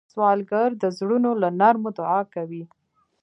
سوالګر د زړونو له نرمو دعا کوي